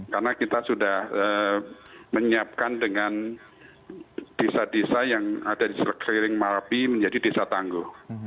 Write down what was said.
karena kita sudah menyiapkan dengan desa desa yang ada di sekeliling merapi menjadi desa tangguh